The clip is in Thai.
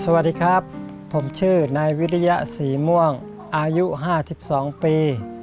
สวัสดีครับผมชื่อนายวิริยะศรีม่วงอายุ๕๒ปี